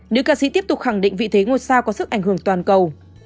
nữ ca sĩ tiếp tục khẳng định vị thế ngôi sao có sức ảnh hưởng toàn cầu